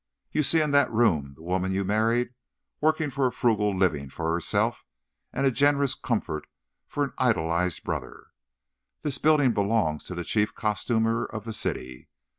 You see in that room the woman you married, working for a frugal living for herself, and a generous comfort for an idolized brother. This building belongs to the chief costumer of the city.